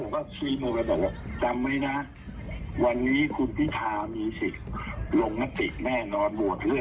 แม้แต่ว่าคุณพิธามไม่มีสภาพความเป็นทั้งสองแล้วคุณพิธาแน่นเลือกมีสิทธิ์เลือกนายกได้เลย